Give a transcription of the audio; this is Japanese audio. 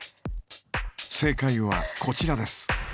正解はこちらです。